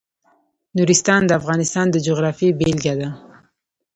نورستان د افغانستان د جغرافیې بېلګه ده.